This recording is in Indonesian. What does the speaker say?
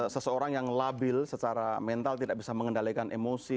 seseorang yang labil secara mental tidak bisa mengendalikan emosi